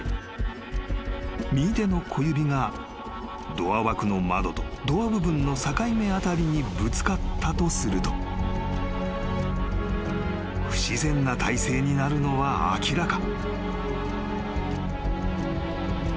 ［右手の小指がドア枠の窓とドア部分の境目辺りにぶつかったとすると不自然な体勢になるのは明らか］